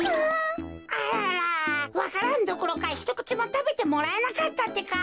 わか蘭どころかひとくちもたべてもらえなかったってか。